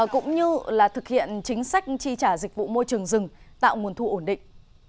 cũng như là thực hiện chính sách tri trả dịch vụ môi trường rừng tạo nguồn thu ổn định